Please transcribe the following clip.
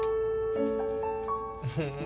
うん！